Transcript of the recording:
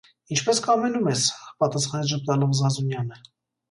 - Ի՛նչպես կամենում ես,- պատասխանեց ժպտալով Զազունյանը: